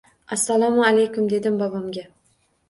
«Assalomu alaykum!» – dedim bobomga.